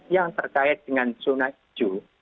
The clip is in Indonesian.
yang terkait dengan zona hijau